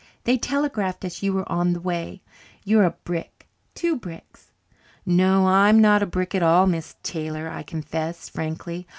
They telegraphed us you were on the way. You're a brick two bricks." "No, I'm not a brick at all, Miss Taylor," I confessed frankly.